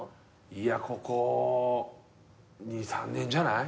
ここ２３年じゃない？